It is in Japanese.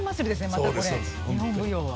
またこれ日本舞踊は。